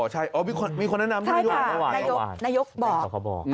อ๋อใช่มีคนแนะนำนายกบอก